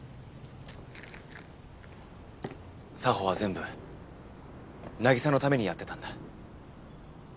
沙帆は全部凪沙のためにやってたんだ。